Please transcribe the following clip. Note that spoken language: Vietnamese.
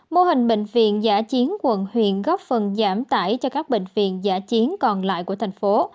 mô hình bệnh viện giả chiến quận huyện góp phần giảm tải cho các bệnh viện giả chiến còn lại của thành phố